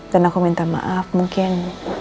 dan aku minta maaf mungkin